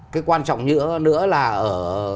cái quan trọng nữa là ở